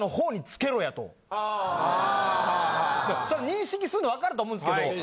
あ！認識するのわかると思うんですけど。